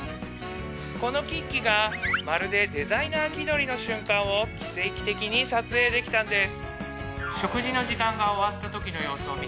このキッキがまるでデザイナー気取りの瞬間を奇跡的に撮影できたんです